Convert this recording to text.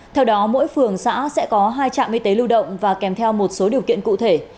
theo đó mỗi phường xã sẽ có hai trạm y tế lưu động và kèm theo một số điều kiện cụ thể